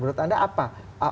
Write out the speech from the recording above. menurut anda apa